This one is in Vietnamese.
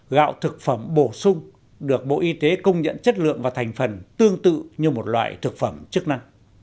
gạo thực phẩm bổ sung được bộ y tế công nhận chất lượng và thành phần tương tự như một loại thực phẩm chức năng